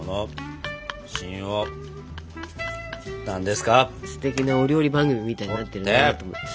すてきなお料理番組みたいになってるなと思ってさ。